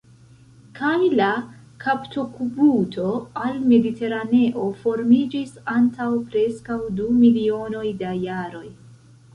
Kaj la kaptokubuto al Mediteraneo formiĝis antaŭ preskaŭ du milionoj da jaroj.